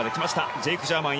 ジェイク・ジャーマン